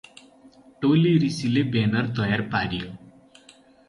टोली रिसीले ब्यानर तयार पार्यो ।